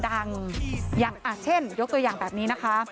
อย่างเช่นยกตัวอย่างแบบนี้นะคะ